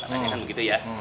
katanya kan begitu ya